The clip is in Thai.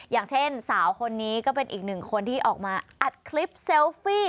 อย่างเช่นสาวคนนี้ก็เป็นอีกหนึ่งคนที่ออกมาอัดคลิปเซลฟี่